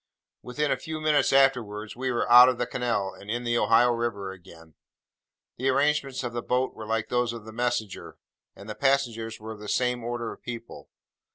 Within a few minutes afterwards, we were out of the canal, and in the Ohio river again. The arrangements of the boat were like those of the Messenger, and the passengers were of the same order of people.